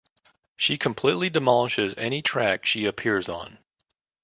She completely demolishes any track she appears on.